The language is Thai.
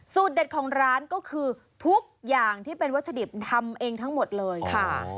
เด็ดของร้านก็คือทุกอย่างที่เป็นวัตถุดิบทำเองทั้งหมดเลยค่ะ